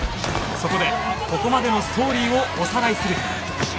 そこでここまでのストーリーをおさらいする